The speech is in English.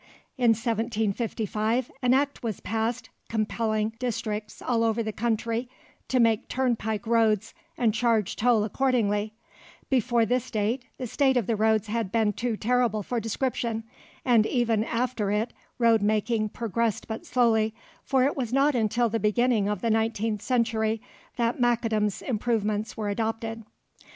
In 1755 an Act was passed compelling districts all over the country to make turnpike roads and charge toll accordingly; before this date the state of the roads had been too terrible for description, and even after it road making progressed but slowly, for it was not until the beginning of the nineteenth century that Macadam's improvements were adopted.